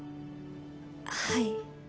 はい。